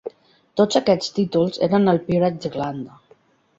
Tots aquests títols eren al Peerage d'Irlanda.